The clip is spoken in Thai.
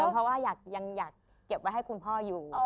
เพราะว่ายังอยากเก็บไว้ให้คุณพ่ออยู่